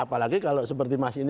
apalagi kalau seperti masalahnya